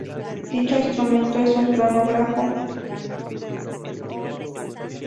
Dicho instrumento es un cronógrafo.